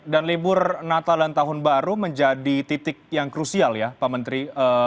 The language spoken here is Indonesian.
dan libur natal dan tahun baru menjadi titik yang krusial ya pak menteri